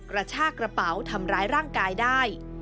กระชากระเป๋าทำร้ายร่างกายได้